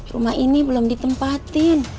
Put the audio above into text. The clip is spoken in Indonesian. rumah ini belum ditempatin